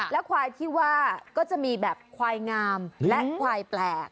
ควายที่ว่าก็จะมีแบบควายงามและควายแปลก